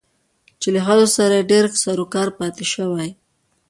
چې له ښځو سره يې ډېر سرو کارو پاتې شوى